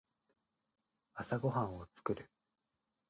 朝ごはんを作る。